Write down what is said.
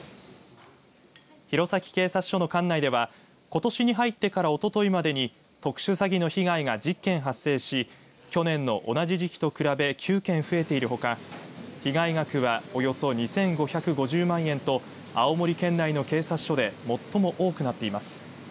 弘前警察署の管内ではことしに入ってからおとといまでに特殊詐欺の被害が１０件発生し去年の同じ時期と比べ９件増えているほか被害額はおよそ２５５０万円と青森県内の警察署で最も多くなっています。